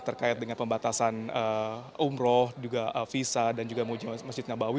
terkait dengan pembatasan umroh juga visa dan juga masjid nabawi